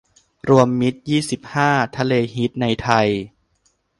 รวมมิตร ยี่สิบห้า ทะเลฮิตในไทย